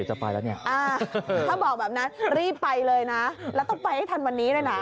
ถ้าบอกแบบนั้นรีบไปเลยนะแล้วต้องไปให้ทันวันนี้ด้วยนะ